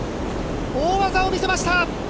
大技を見せました。